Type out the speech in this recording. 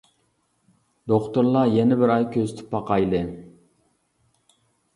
دوختۇرلار يەنە بىر ئاي كۆزىتىپ باقايلى.